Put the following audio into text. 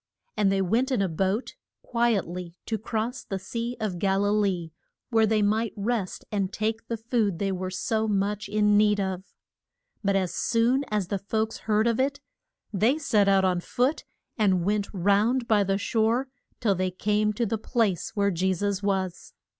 And they went in a boat quiet ly to cross the Sea of Gal i lee, where they might rest and take the food they were so much in need of. But as soon as the folks heard of it they set out on foot and went round by the shore till they came to the place where Je sus was.